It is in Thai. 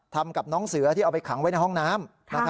ทำกับน้องเสือที่เอาไปขังไว้ในห้องน้ำ